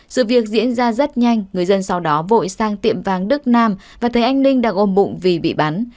sự việc diễn ra rất nhanh người dân sau đó vội sang tiệm vàng đức nam và thấy anh ninh đang ôm bụng vì bị bắn